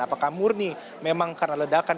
apakah murni memang karena ledakan